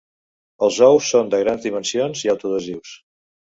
Els ous són de grans dimensions i autoadhesius.